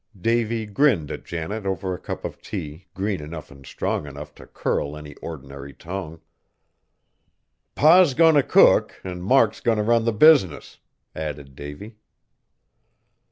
Davy grinned at Janet over a cup of tea green enough and strong enough to curl any ordinary tongue. "Pa's goin' t' cook, an' Mark's goin' t' run the business," added Davy.